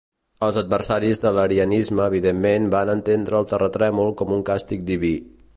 Els adversaris de l'arianisme evidentment van entendre el terratrèmol com un càstig diví.